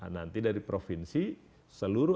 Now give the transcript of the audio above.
nanti dari provinsi seluruh